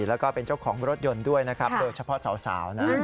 แล้วก็เป็นเจ้าของรถยนต์ด้วยนะครับโดยเฉพาะสาวนะ